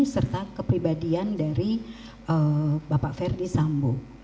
serta kepribadian dari bapak ferdi sambo